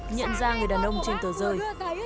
nhận ra người đàn ông trên tờ rời